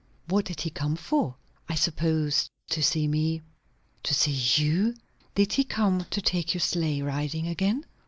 "What did he come for?" "I suppose to see me." "To see you! Did he come to take you sleigh riding again?"